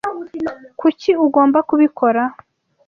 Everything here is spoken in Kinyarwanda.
Kuki ugomba kubikora?